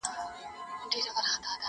نن به واخلي د تاریخ کرښي نومونه٫